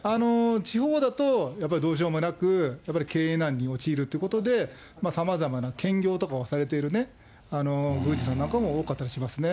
地方だとやっぱりどうしようもなく、やっぱり経営難に陥るということで、さまざまな兼業とかをされてる宮司さんなんかも多かったりしますね。